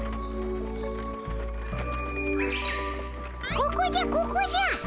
ここじゃここじゃ。